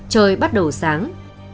trời bắt đầu sáng